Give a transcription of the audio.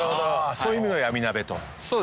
そういう意味の闇鍋と。